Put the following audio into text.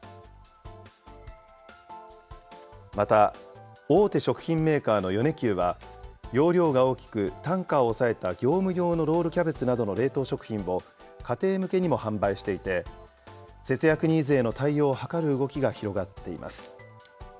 また、大手食品メーカーの米久は、容量が大きく単価を抑えた業務用のロールキャベツなどの冷凍食品を家庭向けにも販売していて、節約ニーズへの対応を図る動きが広がっています。